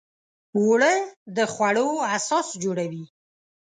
اوړه د خوړو اساس جوړوي